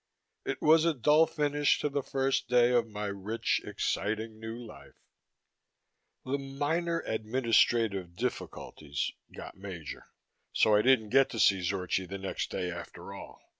It was a dull finish to the first full day of my rich, exciting new life.... The "minor administrative difficulties" got major. So I didn't get to see Zorchi the next day, after all.